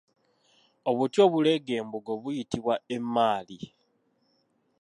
Obuti obuleega embugo buyitibwa Emmaali.